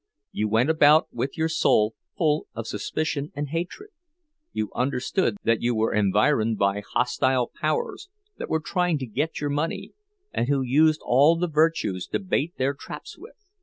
You went about with your soul full of suspicion and hatred; you understood that you were environed by hostile powers that were trying to get your money, and who used all the virtues to bait their traps with.